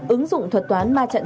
ứng dụng thuật toán ma trận thông tin